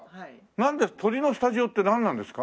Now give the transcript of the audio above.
なんで鳥のスタジオってなんなんですか？